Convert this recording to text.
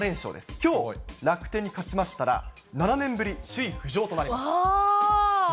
きょう楽天に勝ちましたら、７年ぶり首位浮上となります。